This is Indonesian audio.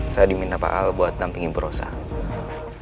saya diminta pak al buat dampingi buruh sam